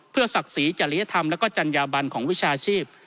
ศักดิ์ศรีจริยธรรมและก็จัญญาบันของวิชาชีพ